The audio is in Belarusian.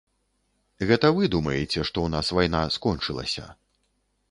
Гэта вы думаеце, што ў нас вайна скончылася.